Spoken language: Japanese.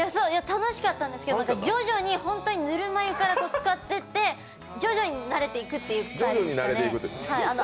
楽しかったんですけど、徐々にぬるま湯からつかってって、徐々に慣れていくというスタイルでしたね